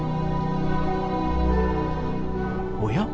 おや？